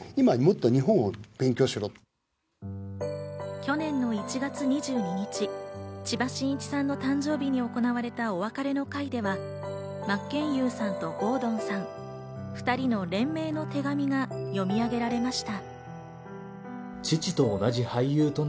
去年の１月２２日、千葉真一さんの誕生日に行われたお別れの会では、真剣佑さんと郷敦さん、２人の連名の手紙が読み上げられました。